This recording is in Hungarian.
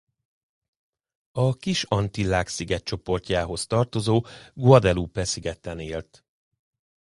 A Kis-Antillák szigetcsoportjához tartozó Guadeloupe szigeten élt.